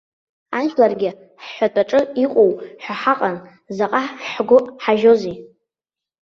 Ажәларгьы ҳҳәатәаҿы иҟоуп ҳәа ҳаҟан, заҟа ҳгәы ҳажьози.